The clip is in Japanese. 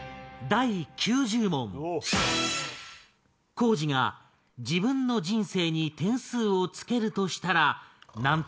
光司が自分の人生に点数を付けるとしたら何点？